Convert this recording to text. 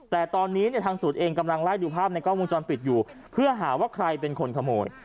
แต่ตอนนี้เนี่ยทางศูนย์เองกำลังไล่ดูภาพในกล้องวงจรปิดอยู่เพื่อหาว่าใครเป็นคนขโมย